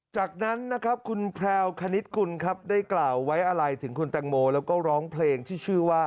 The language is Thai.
สู่อ้อมกรดของพระเจ้า